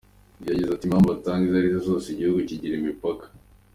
Yagize ati “Impamvu batanga izo arizo zose, igihugu kigira imipaka.